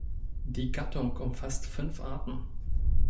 Die Gattung umfasst fünf Arten.